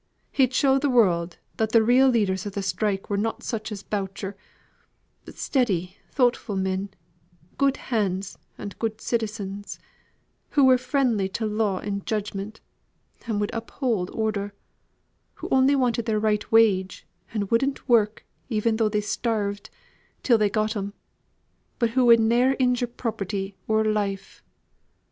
He'd show the world that th' real leaders o' the strike were not such as Boucher, but steady thoughtful men; good hands, and good citizens, who were friendly to law and judgment, and would uphold order; who only wanted their right wage, and wouldn't work, even though they starved, till they got 'em; but who would ne'er injure property or life.